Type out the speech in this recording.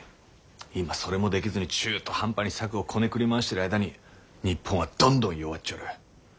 今それもできずに中途半端に策をこねくり回してる間に日本はどんどん弱っちょる。